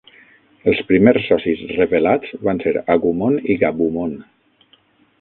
Els primers socis revelats van ser Agumon i Gabumon.